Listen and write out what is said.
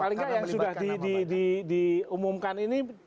paling nggak yang sudah diumumkan ini